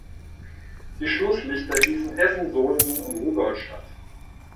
Die Schlusslichter hießen Essen, Solingen und Rudolstadt.